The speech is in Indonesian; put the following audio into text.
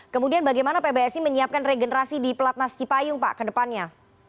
kemudian bagaimana pbsi menyiapkan regenerasi di pelatnas cipayung pak ke depannya